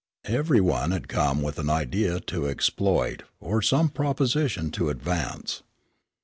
Every one had come with an idea to exploit or some proposition to advance.